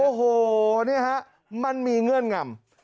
โอ้โหมันมีเงื่อนงำ